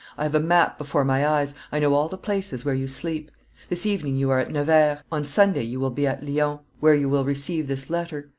I have a map before my eyes, I know all the places where you sleep. This evening you are at Nevers; on Sunday you will be at Lyons, where you will receive this letter.